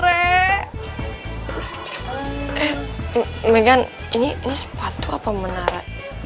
eh meghan ini sepatu apa menara